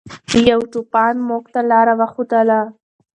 یو چوپان موږ ته لاره وښودله.